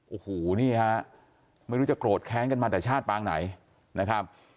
โอ้โหนี่ฮะไม่รู้จะโกรธแค้นกันมาแต่ชาติปางไหนนะครับ